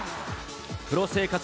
プロ生活